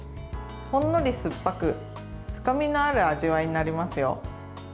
ほんのり酸っぱく深みのある味わいになりますよ。